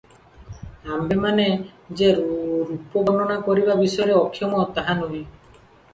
ଆମ୍ଭେମାନେ ଯେ ରୂପ ବର୍ଣ୍ଣନା କରିବା ବିଷୟରେ ଅକ୍ଷମ, ତାହା ନୁହେଁ ।